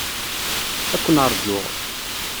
Ad ken-rǧuɣ.